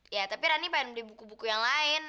ya tapi rani pengen beli buku buku yang lain